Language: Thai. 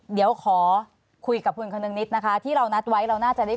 เดี๋ยวขอคุยกับคุณคนนึงนิดนะคะที่เรานัดไว้เราน่าจะได้